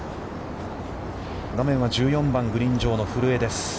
画面は１４番、グリーン上の古江です。